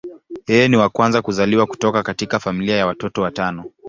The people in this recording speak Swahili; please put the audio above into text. Yeye ni wa kwanza kuzaliwa kutoka katika familia ya watoto watano.